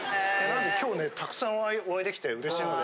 今日ねたくさんお会いできて嬉しいので。